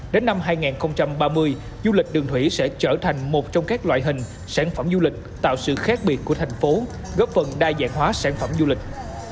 đến năm hai nghìn ba mươi du lịch đường thủy sẽ trở thành một trong các loại hình sản phẩm du lịch tạo sự khác biệt của thành phố góp phần đa dạng hóa sản phẩm du lịch